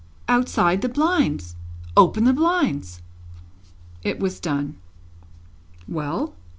"Outside the blinds. Open the blinds." It was done. "Well?"